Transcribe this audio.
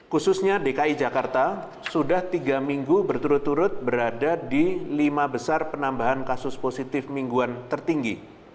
khususnya dki jakarta sudah tiga minggu berturut turut berada di lima besar penambahan kasus positif mingguan tertinggi